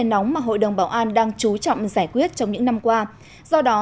nóng mà hội đồng bảo an đang chú trọng giải quyết trong những năm qua do đó